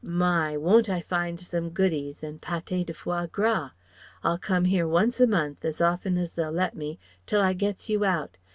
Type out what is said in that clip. My! won't I find some goodies, and paté de foie gras. I'll come here once a month, as often as they'll let me, till I gets you out.